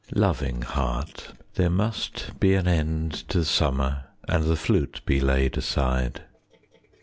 Loving Heart, There must be an end to summer, And the flute be laid aside.